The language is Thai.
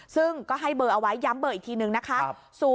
ซึ่งก็ให้เบอร์เอาไว้ย้ำเบอร์อีกทีนึงนะคะ